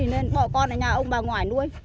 nên bỏ con ở nhà ông bà ngoại nuôi